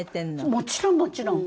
もちろんもちろん！